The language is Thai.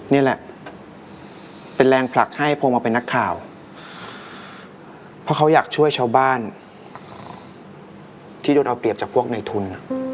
นี่แหละเป็นแรงผลักให้พวงมาเป็นนักข่าวเพราะเขาอยากช่วยชาวบ้านที่โดนเอาเปรียบจากพวกในทุน